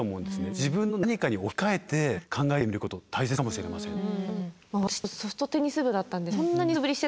自分の何かに置き換えて考えてみること大切かもしれませんね。